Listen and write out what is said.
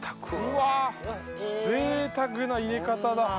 うわぜいたくな入れ方だ。